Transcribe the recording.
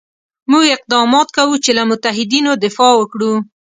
موږ اقدامات کوو چې له متحدینو دفاع وکړو.